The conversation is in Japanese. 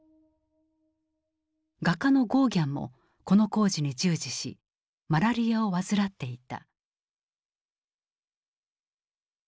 画家のゴーギャンもこの工事に従事しマラリアを患っていた。